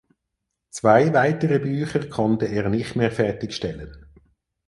Zwei weitere Bücher konnte er nicht mehr fertigstellen.